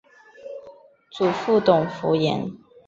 祖父董孚言。